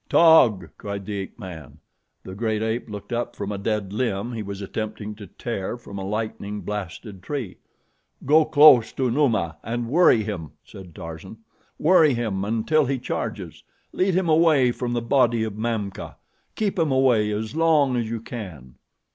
"Taug!" cried the ape man. The great ape looked up from a dead limb he was attempting to tear from a lightning blasted tree. "Go close to Numa and worry him," said Tarzan. "Worry him until he charges. Lead him away from the body of Mamka. Keep him away as long as you can."